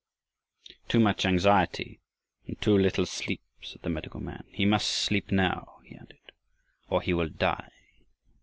"Too much anxiety and too little sleep," said the medical man. "He must sleep now," he added, "or he will die."